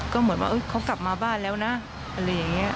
ก็เหมือนว่าเขากลับมาบ้านแล้วนะอะไรอย่างนี้